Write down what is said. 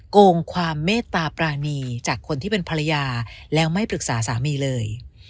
โกงความเมตตาปรานีจากคนที่เป็นภรรยาแล้วไม่ปรึกษาสามีเลย